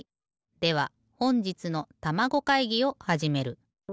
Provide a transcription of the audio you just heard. ではほんじつのたまご会議をはじめる。